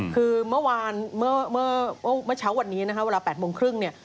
คือเมื่อวานเมื่อเช้าวันนี้นะคะเวลา๘โมงครึ่งเนี่ย